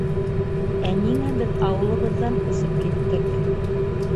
Ә ниңә беҙ ауылыбыҙҙан күсеп киттек?